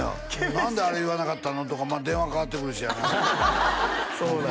何であれ言わなかったの？とか電話かかってくるしやなそうなんだ